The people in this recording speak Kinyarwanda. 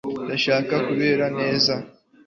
ndashaka kubireba neza